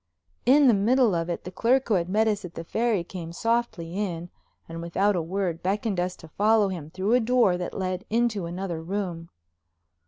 In the middle of it the clerk who had met us at the Ferry came softly in, and without a word, beckoned us to follow him through a door that led into another room.